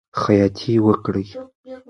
خیاطی وکړئ.